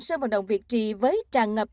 sân vận động việt trì với tràn ngập